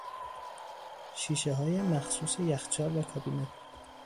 شیشه های مخصوص یخچال و کابینت